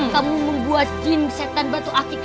kamu membuat gym setan batu akik